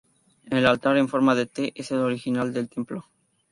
El altar, en forma de "T" es el original del templo.